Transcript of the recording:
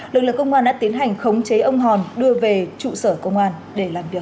lực lượng công an đã tiến hành khống chế ông hòn đưa về trụ sở công an để làm việc